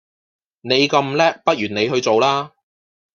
你咁叻不如你去做吖